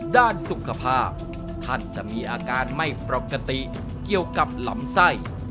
ด้านสุขภาพท่านจะมีอาการไม่ปกติเกี่ยวกับลำไส้